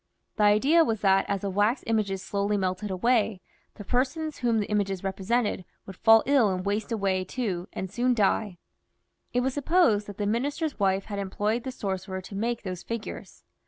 The idea was that, as the wax images slowly melted away, the persons of whom the images were made would fall ill and waste away too, and soon die. It was supposed that the Minister's wife had employed the sorcerer to make these figures.